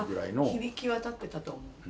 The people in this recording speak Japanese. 響き渡ってたと思う。